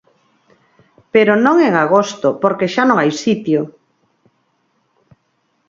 "Pero non en agosto porque xa non hai sitio".